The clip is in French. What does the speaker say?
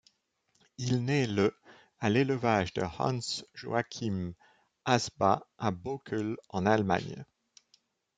Il naît le à l'élevage de Hans Joachim Ahsbahs, à Bokel en Allemagne.